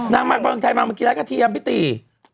นางมาเมืองไทยมากินร้านกระเทียมพี่ตี